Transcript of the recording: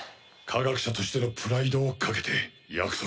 科学者としてのプライドをかけて約束する。